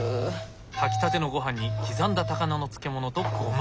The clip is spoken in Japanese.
炊きたてのごはんに刻んだ高菜の漬物とゴマ。